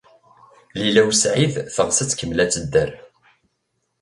Lila u Saɛid teɣs ad tkemmel ad tedder.